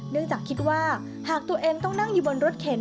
จากคิดว่าหากตัวเองต้องนั่งอยู่บนรถเข็น